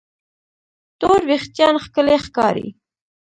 تور وېښتيان ښکلي ښکاري.